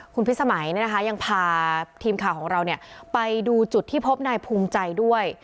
คุณพิสมัยยังพาทีมข่าวของเราไปดูจุดที่พบนายภูมิใจด้วย